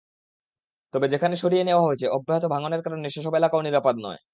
তবে যেখানে সরিয়ে নেওয়া হয়েছে, অব্যাহত ভাঙনের কারণে সেসব এলাকাও নিরাপদ নয়।